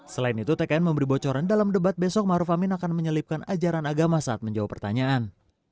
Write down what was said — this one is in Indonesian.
selain itu tkn memberi bocoran dalam debat besok ⁇ maruf ⁇ amin akan menyelipkan ajaran agama saat menjawab pertanyaan